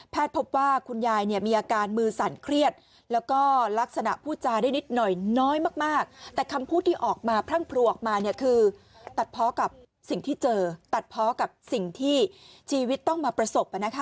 ตัดเพราะกับสิ่งที่เจอตัดเพราะกับสิ่งที่ชีวิตต้องมาประสบ